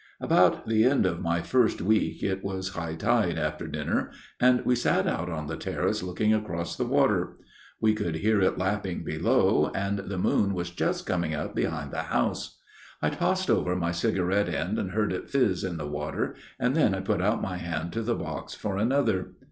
" About the end of my first week it was high tide after dinner, and we sat out on the terrace looking across the water. We could hear it lapping below, and the moon was just coming up behind the house. I tossed over my cigarette end and heard it fizz in the water, and then I put out my hand to the box for another.